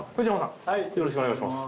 よろしくお願いします